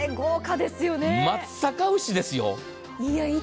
松阪牛ですよ。